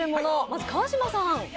まず川島さん。